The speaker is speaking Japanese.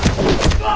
ああ！